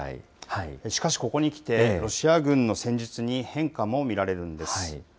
しかしここにきて、ロシア軍の戦術に変化も見られるんです。